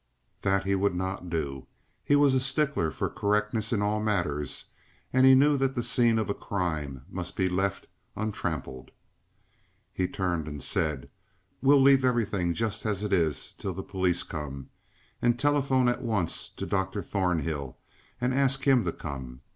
That he would not do. He was a stickler for correctness in all matters, and he knew that the scene of a crime must be left untrampled. He turned and said: "We will leave everything just as it is till the police come. And telephone at once to Doctor Thornhill, and ask him to come.